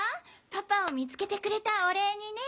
パパを見つけてくれたお礼にね。